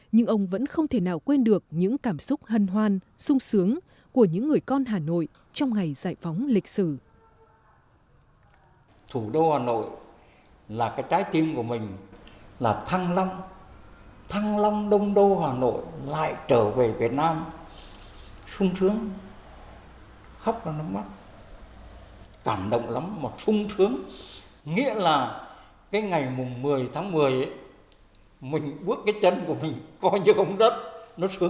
nhưng ông vẫn không thể nào quên được những cảm xúc hân hoan sung sướng của những người con hà nội trong ngày giải phóng lịch sử